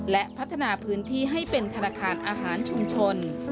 และพัฒนาพื้นที่ให้เป็นธนาคารอาหารชุมชน